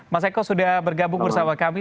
mas eko sudah bergabung bersama kami